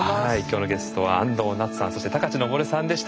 今日のゲストは安藤なつさんそして高知東生さんでした。